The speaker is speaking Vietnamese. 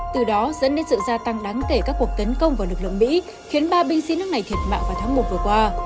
từ đó dẫn đến sự gia tăng đáng kể các cuộc tấn công vào lực lượng mỹ khiến ba binh sĩ nước này thiệt mạng vào tháng một vừa qua